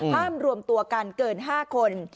รวมตัวกันเกิน๕คน